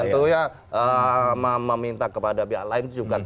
tentunya meminta kepada pihak lain juga berarti